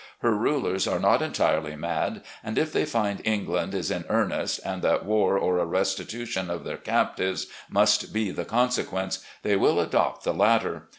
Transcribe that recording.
Her rulers are not entirely mad, and if they find England is in earnest, and that war or a restitution of their captives must be the consequence, they will adopt the latter.